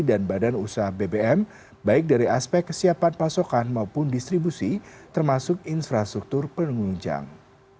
dan badan usaha bbm baik dari aspek kesiapan pasokan maupun distribusi termasuk infrastruktur penunjang